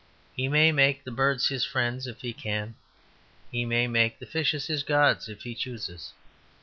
He may make the birds his friends, if he can. He may make the fishes his gods, if he chooses.